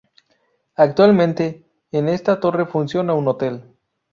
Actualmente en esta torre funciona un hotel.